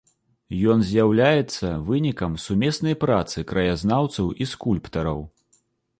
Ён з'яўляецца вынікам сумеснай працы краязнаўцаў і скульптараў.